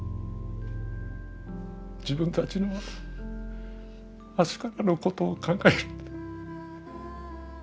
自分たちの明日からのことを考えると。